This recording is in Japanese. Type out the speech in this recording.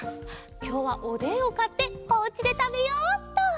きょうはおでんをかっておうちでたべよっと。